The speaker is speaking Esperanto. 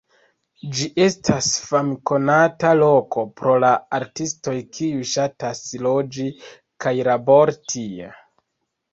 Ĝi estas famkonata loko pro la artistoj kiuj ŝatas loĝi kaj labori tie.